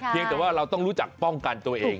ยังแต่ว่าเราต้องรู้จักป้องกันตัวเอง